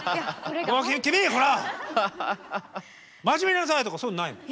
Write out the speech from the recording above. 「君ほら真面目にやんなさい」とかそういうのないの？